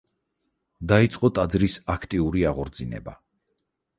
დაიწყო ტაძრის აქტიური აღორძინება.